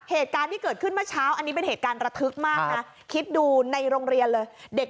เหตุการณ์ที่เกิดขึ้นเมื่อเช้าอันนี้เป็นเหตุการณ์ระทึกมากนะคิดดูในโรงเรียนเลยเด็ก